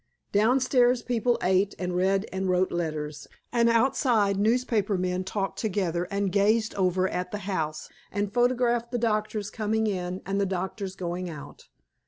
Downstairs people ate and read and wrote letters, and outside newspaper men talked together and gazed over at the house and photographed the doctors coming in and the doctors going out.